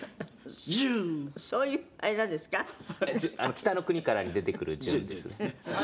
『北の国から』に出てくる純ですね。